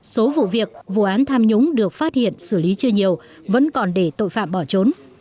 số vụ việc vụ án tham nhũng được phát hiện xử lý chưa nhiều vẫn còn để tội phạm bỏ trốn